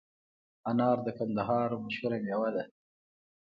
انار د کندهار مشهوره میوه ده